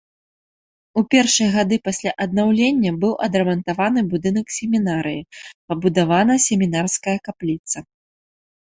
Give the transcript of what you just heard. У першыя гады пасля аднаўлення быў адрамантаваны будынак семінарыі, пабудавана семінарская капліца.